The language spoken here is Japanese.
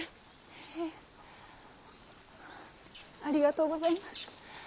へぇありがとうございます！